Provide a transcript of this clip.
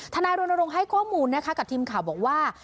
นายรณรงค์ให้ข้อมูลนะคะกับทีมข่าวบอกว่า